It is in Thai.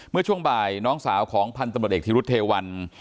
เมื่อช่วงบ่ายน้องสาวของพันธุ์ตำรวจเอกธิรุธเทวัน